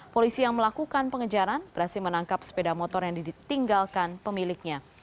polisi yang melakukan pengejaran berhasil menangkap sepeda motor yang ditinggalkan pemiliknya